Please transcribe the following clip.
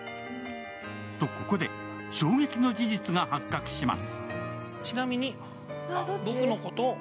と、ここで衝撃の事実が発覚します。